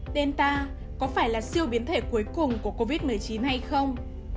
delta có phải là siêu biến thể cuối cùng của covid một mươi chín hay không